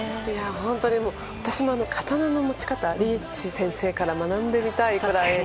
本当に、私も刀の持ち方をリーチ先生から学んでみたい。